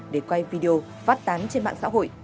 để quay video phát tán trên mạng xã hội